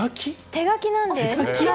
手書きなんです。